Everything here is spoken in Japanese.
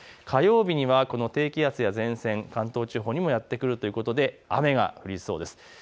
火曜日には低気圧や前線、関東地方にもやって来るということで雨が降りそうです。